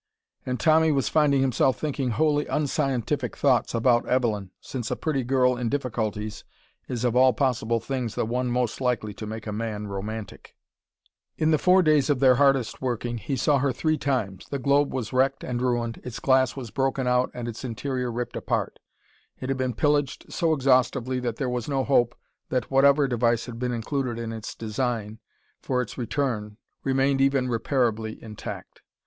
And Tommy was finding himself thinking wholly unscientific thoughts about Evelyn, since a pretty girl in difficulties is of all possible things the one most likely to make a man romantic. In the four days of their hardest working, he saw her three times. The globe was wrecked and ruined. Its glass was broken out and its interior ripped apart. It had been pillaged so exhaustively that there was no hope that whatever device had been included in its design, for its return, remained even repairably intact.